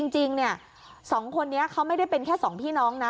จริง๒คนนี้เขาไม่ได้เป็นแค่สองพี่น้องนะ